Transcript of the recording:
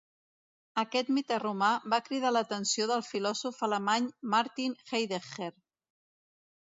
Aquest mite romà va cridar l'atenció del filòsof alemany Martin Heidegger.